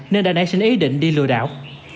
nên đã đảy sinh ý định đi lừa đảo